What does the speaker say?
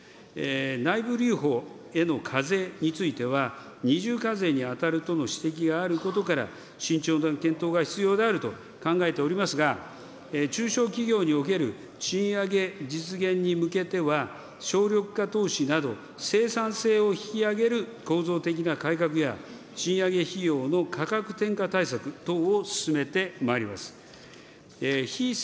内部留保への課税については、二重課税に当たるとの指摘があることから、慎重な検討が必要であると考えておりますが、中小企業における賃上げ実現に向けては、省力化投資など、生産性を引き上げる構造的な改革や、賃上げ費用の価格転嫁対策等を進めてまいります。